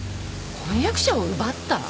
婚約者を奪った！？